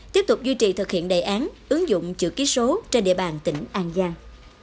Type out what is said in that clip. tiếp tục duy trì thực hiện đề án ứng dụng chữ ký số trên địa bàn tỉnh an giang